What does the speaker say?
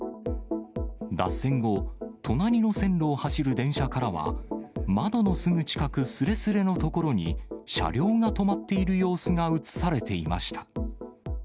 脱線後、隣の線路を走る電車からは、窓のすぐ近くすれすれのところに、車両が止まっている様子が映されていました。